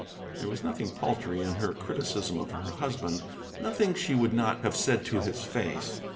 There was nothing paltry in her criticism of her husband, nothing she would not have said to his face.